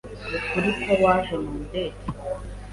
Nukuri ko waje mu ndege?